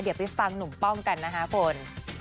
เดี๋ยวไปฟังหนุ่มป้องกันนะคะคุณ